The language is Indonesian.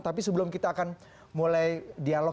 tapi sebelum kita akan mulai dialog